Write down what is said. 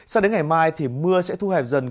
sao đến ngày mai thì mưa sẽ thu hẹp dần